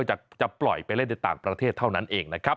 จะปล่อยไปเล่นในต่างประเทศเท่านั้นเองนะครับ